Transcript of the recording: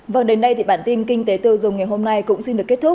vâng đến đây thì bản tin kinh tế tiêu dùng ngày hôm nay cũng xin được kết thúc